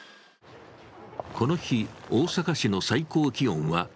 この日、大阪市の最高気温は２７．５度。